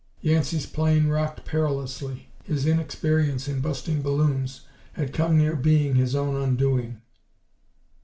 Yancey's plane rocked perilously. His inexperience in "busting balloons" had come near being his own undoing.